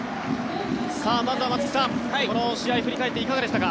まずは松木さん、この試合振り返っていかがでしたか？